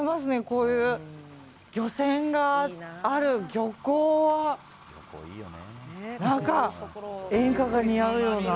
こういう漁船がある漁港は何か、演歌が似合うような。